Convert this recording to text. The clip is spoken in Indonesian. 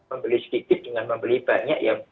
membeli sedikit dengan membeli banyak ya